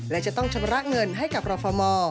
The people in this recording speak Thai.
และจะต้องชำระเงินให้กับรฟม